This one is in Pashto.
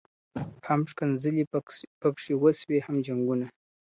هم ښکنځلي پکښي وسوې هم جنګونه.